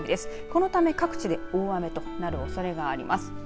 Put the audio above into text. このため各地で大雨となるおそれがあります。